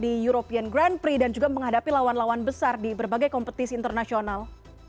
di european grand prix dan juga menghadapi lawan lawan besar di berbagai kompetisi internasional